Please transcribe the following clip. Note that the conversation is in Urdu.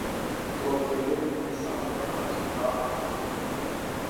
تو اکیلے میں، سامنے آنسو نہ بہائے۔